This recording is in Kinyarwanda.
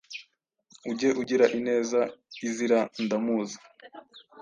ujye ugira ineza izira ndamuzi,